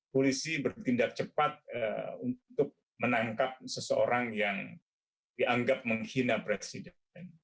polisi bertindak cepat untuk menangkap seseorang yang dianggap menghina presiden